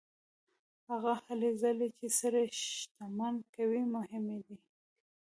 هغه هلې ځلې چې سړی شتمن کوي مهمې دي.